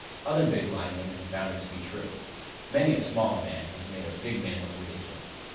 Other big linemen have found it to be true. Many a small man has made a big man look ridiculous.